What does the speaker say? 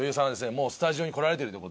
もうスタジオに来られてるってことで。